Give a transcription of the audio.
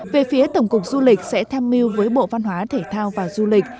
về phía tổng cục du lịch sẽ tham mưu với bộ văn hóa thể thao và du lịch